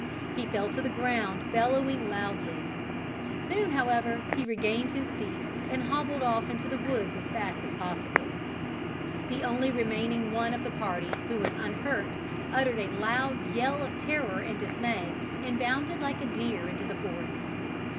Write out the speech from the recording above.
He fell to the ground bellowing loudly. Soon however he regained his feet and hobbled off into the woods as fast as possible. The only remaining one of the party who was unhurt uttered a loud yell of terror and dismay, and bounded like a deer into the forest.